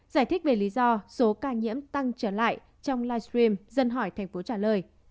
giải thích về lý do số ca nhiễm tăng trở lại trong livestream dân hỏi tp trả lời